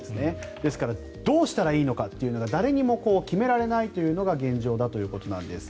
ですからどうしたらいいのかということが誰にも決められないというのが現状だということなんです。